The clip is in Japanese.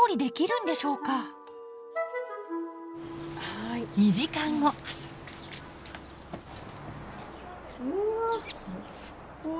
うわ！